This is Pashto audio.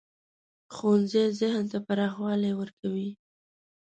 ښوونځی ذهن ته پراخوالی ورکوي